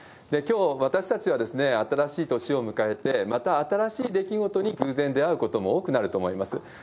きょう、私たちは新しい年を迎えて、また、新しい出来事に偶然出会うことも多くなると思います。